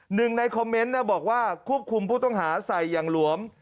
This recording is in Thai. หนึ่งในคอมเมนต์บอกว่าควบคุมผู้ต้องหาใส่อย่างหลวม